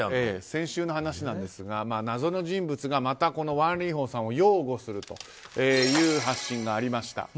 先週の話なんですが謎の人物がまたワン・リーホンさんを擁護するという発信がありました。